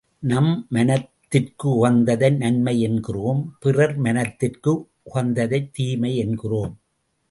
நம் மனத்திற்கு உகந்ததை நன்மை என்கிறோம், பிறர் மனத்திற்கு உகந்ததைத் தீமை என்கிறோம்.